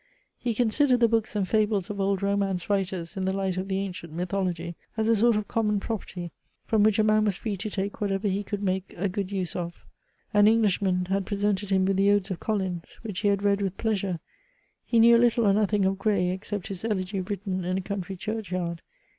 He considered the books and fables of old romance writers in the light of the ancient mythology, as a sort of common property, from which a man was free to take whatever he could make a good use of. An Englishman had presented him with the odes of Collins, which he had read with pleasure. He knew little or nothing of Gray, except his ELEGY written in a country CHURCH YARD.